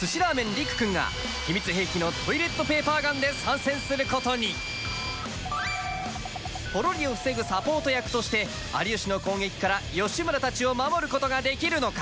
りく君が秘密兵器のトイレットペーパーガンで参戦することにポロリを防ぐサポート役として有吉の攻撃から吉村達を守ることができるのか？